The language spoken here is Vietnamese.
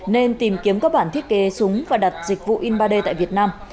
nên tìm kiếm các bản thiết kế súng và đặt dịch vụ in ba d tại việt nam